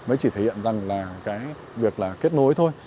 mới chỉ thể hiện rằng là cái việc là kết nối thôi